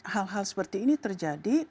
hal hal seperti ini terjadi